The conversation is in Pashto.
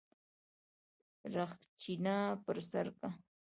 رخچينه پر سر که.